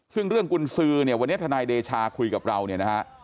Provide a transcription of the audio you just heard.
ซึ่งเรื่องกุญสือเนี่ยวันนี้ทนายเดชาคุยกับเราเนี่ยนะฮะ